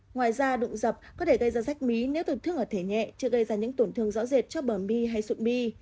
ngoài ra đụng dập có thể gây ra sách mí nếu tổn thương ở thể nhẹ chứ gây ra những tổn thương rõ rệt cho bờ mi hay sụn mi